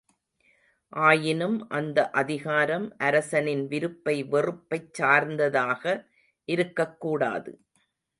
ஆயினும் அந்த அதிகாரம் அரசனின் விருப்பை வெறுப்பைச் சார்ந்ததாக இருக்கக்கூடாது.